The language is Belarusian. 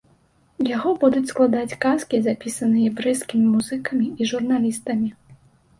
Яго будуць складаць казкі, запісаныя брэсцкімі музыкамі і журналістамі.